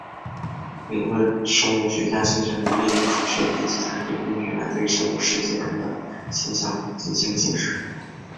理论生物学家倾向于利用数学及计算机工具来对生物世界中的现象进行解释。